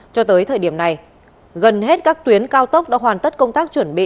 cho tới thời điểm này gần hết các tuyến cao tốc đã hoàn tất công tác chuẩn bị